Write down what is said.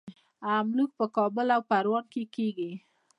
املوک په کابل او پروان کې کیږي.